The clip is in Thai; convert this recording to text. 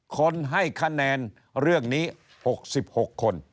คนให้คะแนนเรื่องนี้๖๖คน